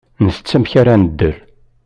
Ntett amek ara nedder.